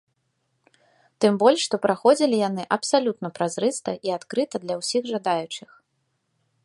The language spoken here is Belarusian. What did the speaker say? Тым больш, што праходзілі яны абсалютна празрыста і адкрыта для ўсіх жадаючых.